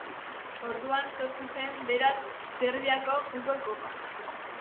Orduan sortu zen beraz Serbiako futbol kopa.